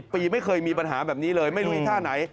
ปีไม่เคยมีปัญหาแบบนี้เลยไม่รู้อีกท่าไหน